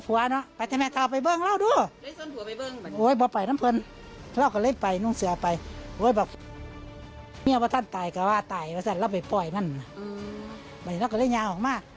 ก็เห็นนายสมรฆ่าเมียอย่างสุดโคตร